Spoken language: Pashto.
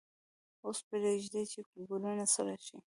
اوس پریږدئ چې ګلوله سړه شي.